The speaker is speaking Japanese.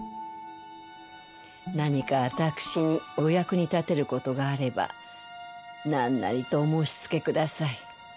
何かわたくしにお役に立てる事があればなんなりとお申し付けください。